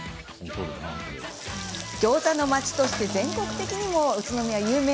ギョーザの町として全国的にも有名な宇都宮。